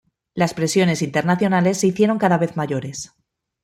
Las presiones internacionales se hicieron cada vez mayores.